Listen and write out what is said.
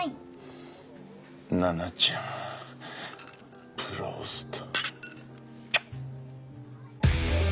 ナナちゃん。プロースト！